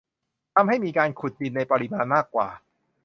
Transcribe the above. ทำให้มีการขุดดินในปริมาณมากกว่า